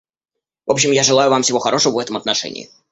В общем я желаю вам всего хорошего в этом отношении.